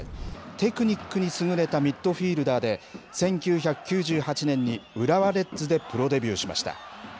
テクニックに優れたミッドフィールダーで、１９９８年に浦和レッズでプロデビューしました。